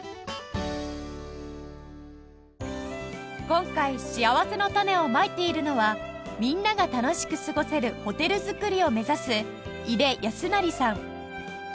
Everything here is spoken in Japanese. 今回しあわせのたねをまいているのはみんなが楽しく過ごせるホテル作りを目指す井出泰済さん